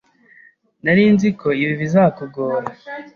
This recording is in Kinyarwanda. Nari nzi ko ibi bizakugora.